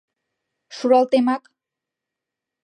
— Шуралтемак!